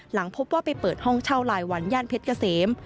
หลังพบว่าไปเปิดห้องเช่าลายวันย่านเพชรเกษม